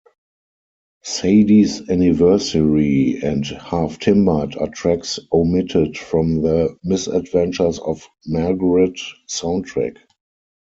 "Sadie's Anniversary" and "Half Timbered" are tracks omitted from the "Misadventures Of Margaret" soundtrack.